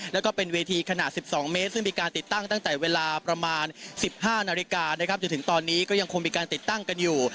แล้วก็เป็นเวทีขนาด๑๒เมตรซึ่งมีการติดตั้งตั้งแต่เวลาประมาณ๑๕นาฬิกานะครับจนถึงตอนนี้ก็ยังคงมีการติดตั้งกันอยู่